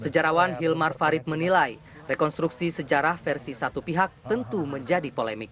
sejarawan hilmar farid menilai rekonstruksi sejarah versi satu pihak tentu menjadi polemik